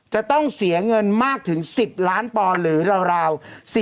จะต้องเสียเงินมากถึง๑๐ล้านปอนด์หรือราว